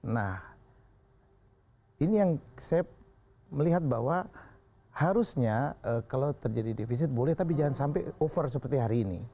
nah ini yang saya melihat bahwa harusnya kalau terjadi defisit boleh tapi jangan sampai over seperti hari ini